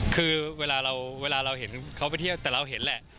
คือเวลาเราเห็นเขาไปเที่ยวแต่เราเห็นแหละ